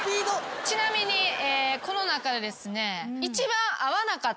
ちなみにこの中でですね。